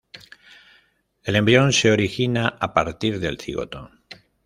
El embrión se origina a partir del cigoto.